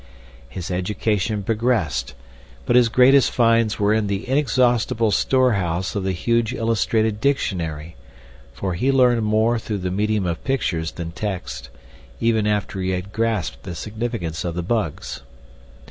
His education progressed; but his greatest finds were in the inexhaustible storehouse of the huge illustrated dictionary, for he learned more through the medium of pictures than text, even after he had grasped the significance of the bugs.